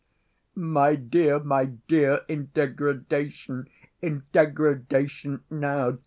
"My dear, my dear, in degradation, in degradation now, too.